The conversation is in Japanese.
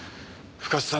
深津さん。